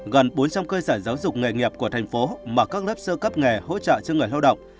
gần bốn trăm linh cơ sở giáo dục nghề nghiệp của thành phố mở các lớp sơ cấp nghề hỗ trợ cho người lao động